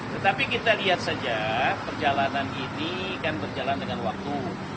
tetapi kita lihat saja perjalanan ini kan berjalan dengan waktu